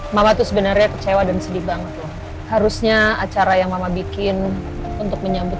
mama tuh sebenarnya kecewa dan sedih banget harusnya acara yang mama bikin untuk menyambut